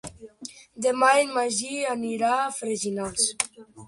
Demà en Magí irà a Freginals.